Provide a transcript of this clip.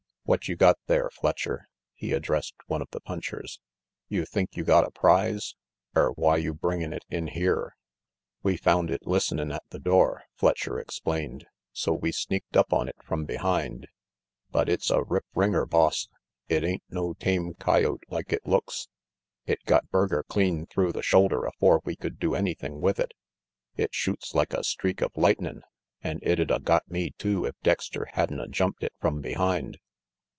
"What you got there, Fletcher?" he addressed one of the punchers. "You think you got a prize, er why you bringin' it in here?" "We found it listenin' at the door," Fletcher explained, "so we sneaked up on it from behind. But it's a rip ringer, boss. It ain't no tame coyote like it looks. It got Berger clean through the shoulder afore we could do any thing* "with it. It shoots about like a streak of lightnin', an' it'd a got me too if Dexter had'n a jumped it from behind."